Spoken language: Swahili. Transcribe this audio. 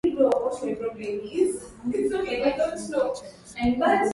ya kuniudhi kila saa